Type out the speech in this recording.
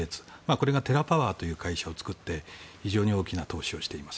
これがテラパワーという会社を作って非常に大きな投資をしています。